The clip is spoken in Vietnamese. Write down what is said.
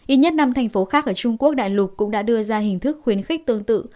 ít nhất năm thành phố khác ở trung quốc đại lục cũng đã đưa ra hình thức khuyến khích tương tự